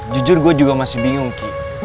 jujur gue juga masih bingung ki